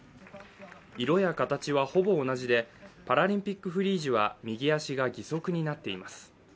色や形はほぼ同じでパラリンピックフリージュは右足が義足になっています。